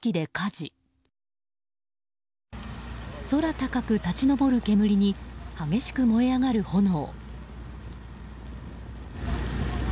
空高く立ち上る煙に激しく燃え上がる炎。